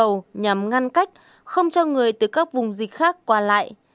giao cả hai đầu cầu nhằm ngăn cách không cho người từ các vùng dịch khác qua lại